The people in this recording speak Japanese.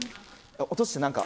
落とした何か。